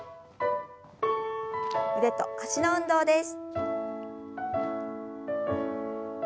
腕と脚の運動です。